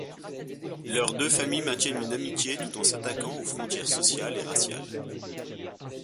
Leurs deux familles maintiennent une amitié tout en s'attaquant aux frontières sociales et raciales.